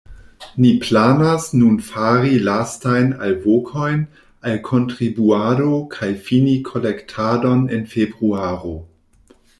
Ni planas nun fari lastajn alvokojn al kontribuado kaj fini kolektadon en februaro.